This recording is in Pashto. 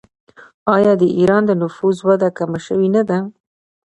آیا د ایران د نفوس وده کمه شوې نه ده؟